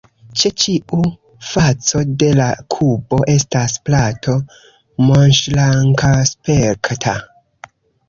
Ĉe ĉiu faco de la kubo estas plato, monŝrankaspekta.